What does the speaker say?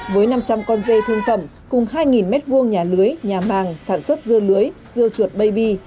với năm trăm linh con dê thương phẩm cùng hai m hai nhà lưới nhà màng sản xuất dưa lưới dưa chuột baby